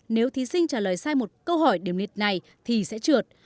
nếu thí sinh trả lời sai một câu hỏi điểm liệt này thì sẽ trượt